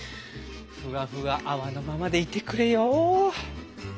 ふわふわ泡のままでいてくれよ。